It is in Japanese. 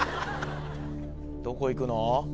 どこいくの？